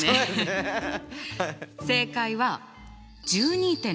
正解は１２．６％。